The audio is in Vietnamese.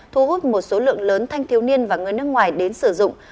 thu hút một số lượng lớn thanh thiếu niên và người nước ngoài đến sử dụng